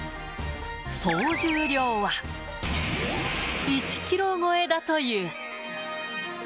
総重量は１キロ超えだという。